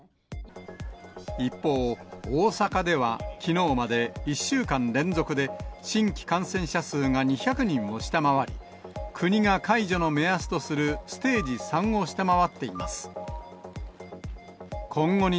一方、大阪ではきのうまで１週間連続で新規感染者数が２００人を下回り、国が解除の目安とするステージ３を下回っています。